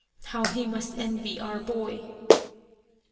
How he must envy our boy